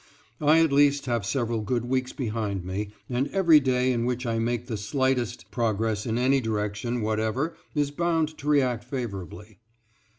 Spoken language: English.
I at least have several good weeks behind me, and every day in which I make the slightest progress in any direction whatever is bound to react favorably.